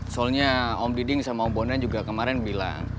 soalnya om diding sama om bondan juga kemarin bilang